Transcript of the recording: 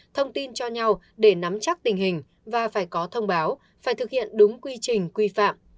thông tin cho nhau để nắm chắc tình hình và phải có thông báo phải thực hiện đúng quy trình quy phạm